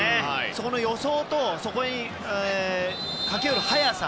そこの予想と、そこに駆ける速さ